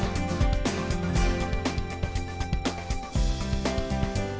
karena aku dia anche